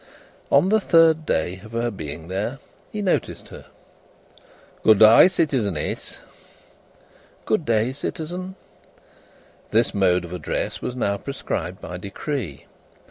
On the third day of her being there, he noticed her. "Good day, citizeness." "Good day, citizen." This mode of address was now prescribed by decree.